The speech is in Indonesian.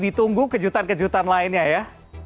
ditunggu kejutan kejutan lainnya ya